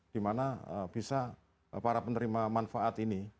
dimana bisa para penerima manfaat ini